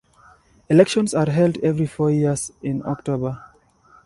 Elections are held every four years, in October.